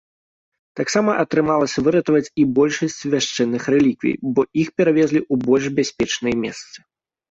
Таксама атрымалася выратаваць і большасць свяшчэнных рэліквій, бо іх перавезлі у больш бяспечныя месцы.